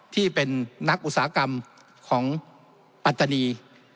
ที่เป็นนักอุตสาหกรรมของปัตตานี